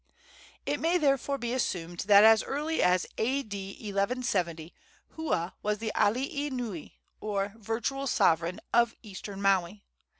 It may therefore be assumed that as early as A.D. 1170 Hua was the alii nui, or virtual sovereign, of eastern Maui.